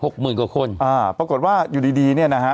หมื่นกว่าคนอ่าปรากฏว่าอยู่ดีดีเนี้ยนะฮะ